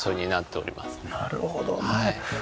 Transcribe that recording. なるほどね。